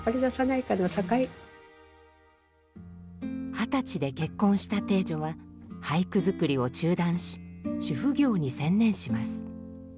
二十歳で結婚した汀女は俳句作りを中断し主婦業に専念します。